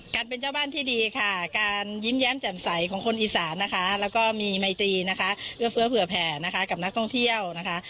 การเป็นเจ้าบ้านที่ดีการยิ้มแย้มแจ่มใสของคนอีสานและมีไมตรีเผื่อแผ่กับนักท่องเที่ยว